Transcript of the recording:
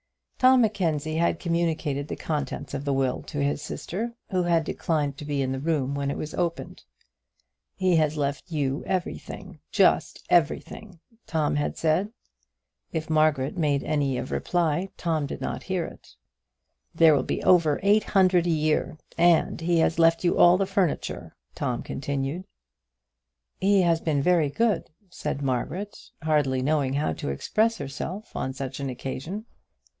Tom Mackenzie had communicated the contents of the will to his sister, who had declined to be in the room when it was opened. "He has left you everything, just everything," Tom had said. If Margaret made any word of reply, Tom did not hear it. "There will be over eight hundred a year, and he has left you all the furniture," Tom continued. "He has been very good," said Margaret, hardly knowing how to express herself on such an occasion.